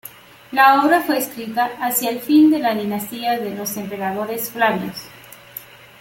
La obra fue escrita hacia el fin de la dinastía de emperadores Flavios.